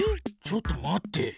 ちょっと待って。